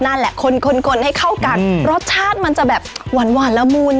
นั่นแหละคนคนให้เข้ากันรสชาติมันจะแบบหวานละมุน